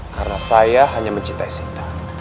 karena saya hanya mencintai sinta